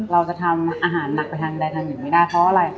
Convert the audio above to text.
เราจะทำอาหารหนักไปทางใดทางอื่นไม่ได้เพราะอะไร